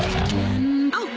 あっ！